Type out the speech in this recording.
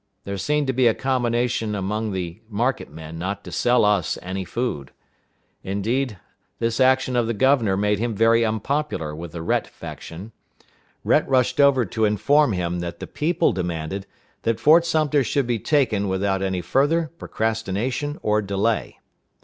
There seemed to be a combination among the market men not to sell us any food. Indeed, this action of the governor made him very unpopular with the Rhett faction. Rhett rushed over to inform him that the people demanded that Fort Sumter should be taken without any further procrastination or delay.